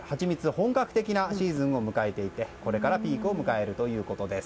本格的なシーズンを迎えていてこれからピークを迎えるということです。